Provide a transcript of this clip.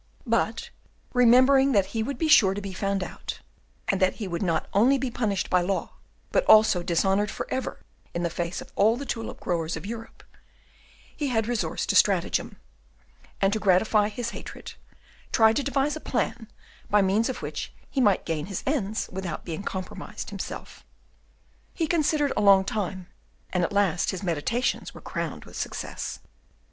But, remembering that he would be sure to be found out, and that he would not only be punished by law, but also dishonoured for ever in the face of all the tulip growers of Europe, he had recourse to stratagem, and, to gratify his hatred, tried to devise a plan by means of which he might gain his ends without being compromised himself. He considered a long time, and at last his meditations were crowned with success.